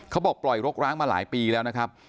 เขาบอกปล่อยรกร้างมาหลายปีแล้วนะครับ